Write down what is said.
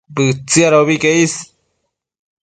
Bëtsiadobi que is